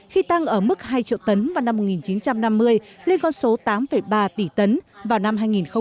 khi tăng ở mức hai triệu tấn vào năm một nghìn chín trăm năm mươi lên con số tám ba tỷ tấn vào năm hai nghìn hai mươi